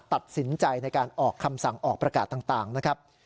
ตัดสินใจในการออกคำสั่งออกประกาศต่างนะครับ